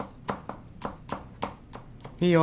いいよ。